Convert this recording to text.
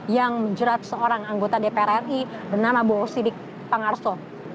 yang menjerat seorang anggota dpr ri bernama bowo sidik pangarso